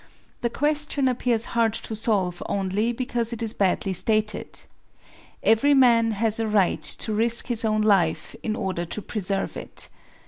The question appears hard to solve only because it is badly stated. Every man has a right to risk his own life in order to preserve it.